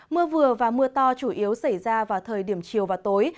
mưa vừa và mưa to chủ yếu xảy ra vào thời điểm chiều và tối